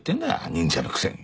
忍者のくせに。